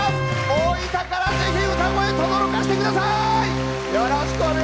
大分から、ぜひ歌声とどろかせてください。